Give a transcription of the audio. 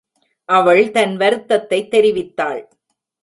அவள் தன் வருத்தத்தைத் தெரிவித்தாள்.